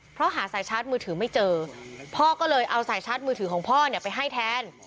เพราะหาสายชาร์จมือถือไม่เจอพ่อก็เลยเอาสายชาร์จมือถือของพ่อเนี่ยไปให้แทน